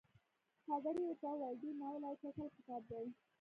پادري ورته وویل ډېر ناولی او چټل کتاب دی.